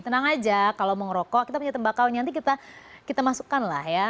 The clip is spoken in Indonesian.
tenang aja kalau mau ngerokok kita punya tembakaunya nanti kita masukkan lah ya